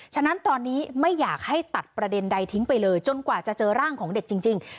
ฉะนั้นตอนนี้ไม่อยากให้ตัดประเด็นใดทิ้งไปเลยจนกว่าจะเจอร่างของเด็กจริง